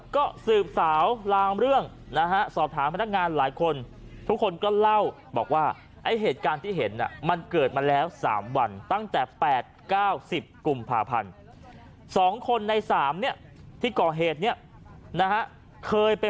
๘๙๐กลุ่มภาพันธ์๒คนใน๓เนี่ยที่ก่อเหตุเนี่ยนะฮะเคยเป็น